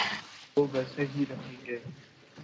‘وہ ویسے ہی رہیں گے۔